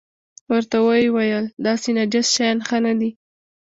ورته ویې ویل داسې نجس شیان ښه نه دي.